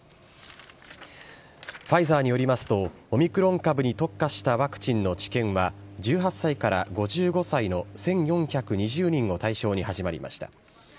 ファイザーによりますと、オミクロン株に特化したワクチンの治験は、１８歳から５５歳の１４２０人を対象に始まりました。